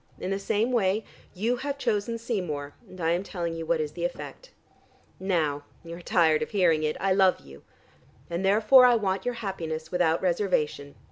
In the same way, you have chosen Seymour, and I am telling you what is the effect. Now you are tired of hearing it I love you. And therefore I want your happiness without reservation.